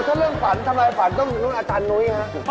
โอ้ถ้าเรื่องฝันทำอะไรฝันต้องรู้อาจารย์หนูอย่างไรครับ